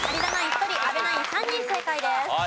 １人阿部ナイン３人正解です。